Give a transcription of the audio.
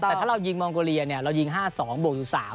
แต่ถ้าเรายิงมองโกเรียเรายิง๕๒บวกสู่๓